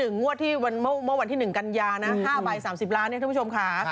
งวดที่เมื่อวันที่๑กันยานะ๕ใบ๓๐ล้านเนี่ยท่านผู้ชมค่ะ